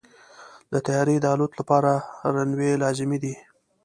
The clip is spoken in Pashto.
د طیارې د الوت لپاره رنوی لازمي دی.